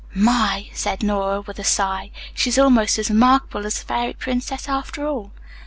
"My," said Nora with a sigh. "She is almost as remarkable as a fairy princess, after all."